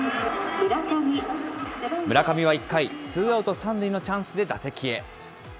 村上は１回、ツーアウト３塁のチャンスで打席へ。